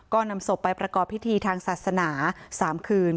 ก็นำศพไปประกอบพิธีทางศาสนา๓คืน